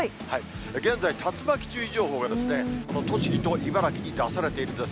現在、竜巻注意情報がこの栃木と茨城に出されているんです。